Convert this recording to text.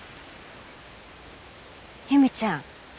由美ちゃん